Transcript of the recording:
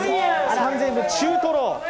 ３０００円分、中トロ。